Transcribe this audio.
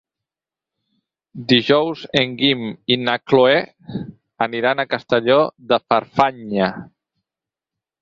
Dijous en Guim i na Cloè aniran a Castelló de Farfanya.